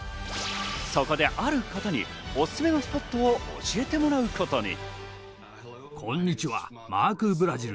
そこで、ある方におすすめのスポットを教えてもらうことに。